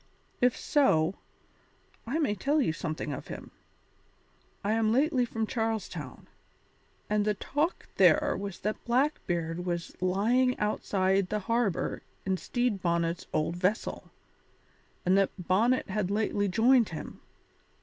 "If so, I may tell you something of him. I am lately from Charles Town, and the talk there was that Blackbeard was lying outside the harbour in Stede Bonnet's old vessel, and that Bonnet had lately joined him.